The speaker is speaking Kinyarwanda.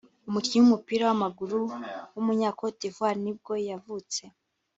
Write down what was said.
umukinnyi w’umupira w’amaguru w’umunya-Cote D’ivoire nibwo yavutse